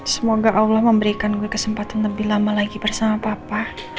semoga allah memberikan kesempatan lebih lama lagi bersama papa